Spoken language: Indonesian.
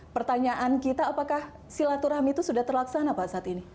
pertanyaan kita apakah silaturahmi itu sudah terlaksana pak saat ini